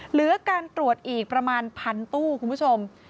เหลือการตรวจอีกประมาณพันตู้คุณผู้ชม